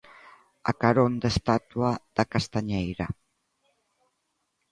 A carón da estatua da castañeira.